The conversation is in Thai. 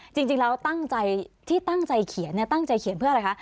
จริงแล้วตั้งใจที่ตั้งใจเขียนตั้งใจเขียนเพื่ออะไรคะ